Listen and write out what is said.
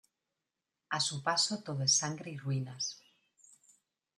A su paso todo es sangre y ruinas.